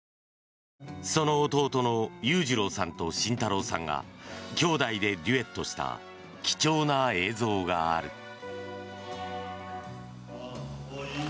その弟の裕次郎さんと慎太郎さんが兄弟でデュエットした貴重な映像がある。